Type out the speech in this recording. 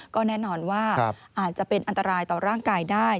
ก็แน่นอนว่าอาจจะเป็นอันตรายต่อร่างกายได้